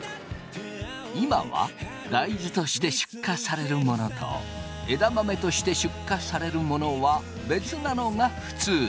今は大豆として出荷されるものと枝豆として出荷されるものは別なのが普通。